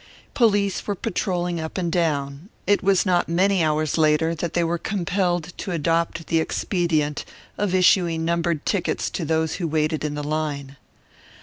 Police were patrolling up and down it was not many hours later that they were compelled to adopt the expedient of issuing numbered tickets to those who waited in the line.